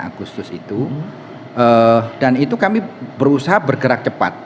agustus itu dan itu kami berusaha bergerak cepat